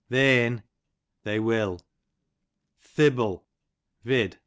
They'n, they will. Thible, vid.